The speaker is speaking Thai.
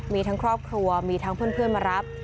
มีทั้งครอบครัวมีทั้งเพื่อนมารับ